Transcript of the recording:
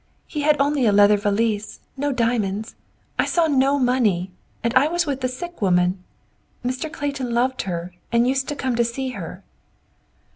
He had only a leather valise; no diamonds. I saw no money, and I was with the sick woman. Mr. Clayton loved her, and used to come and see her."